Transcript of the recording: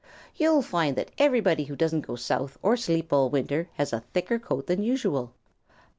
"You'll find that everybody who doesn't go south or sleep all winter has a thicker coat than usual.